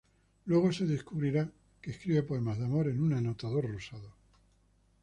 Luego se descubrirá que escribe poemas de amor en un anotador rosado.